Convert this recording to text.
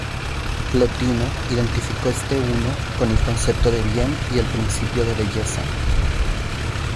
Plotino identificó este "Uno" con el concepto de "Bien" y el principio de "Belleza".